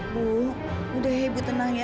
bu udah ya ibu tenang ya